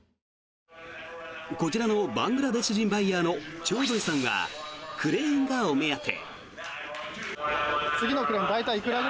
こちらのバングラデシュ人バイヤーのチョウドリさんはクレーンがお目当て。